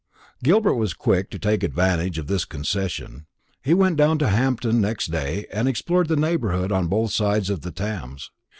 Gilbert was quick to take advantage of this concession. He went down to Hampton next day, and explored the neighbourhood on both sides of the Thames.